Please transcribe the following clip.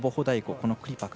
このクリパク